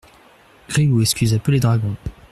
Gresloup excusa peu les dragons.